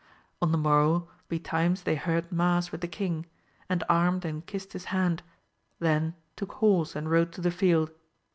On the morrow betimes they heard mass with the king, and armed and kissed his hand, then took horse and rode to the field.